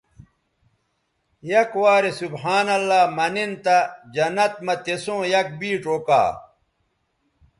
یک وارے سبحان اللہ منن تہ جنت مہ تسوں یک بیڇ اوکا